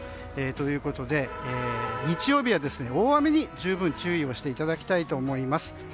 ということで、日曜日は大雨に十分注意していただきたいと思います。